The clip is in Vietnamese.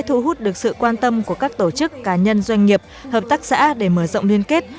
thu hút được sự quan tâm của các tổ chức cá nhân doanh nghiệp hợp tác xã để mở rộng liên kết